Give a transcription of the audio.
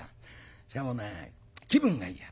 しかも気分がいいや。